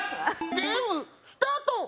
ゲームスタート！